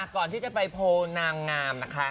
ก่อนที่จะไปโพลนางงามนะคะ